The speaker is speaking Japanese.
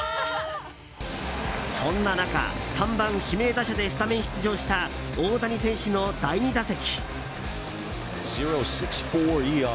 そんな中３番指名打者でスタメン出場した大谷選手の第２打席。